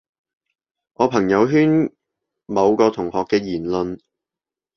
我朋友圈某個同學嘅言論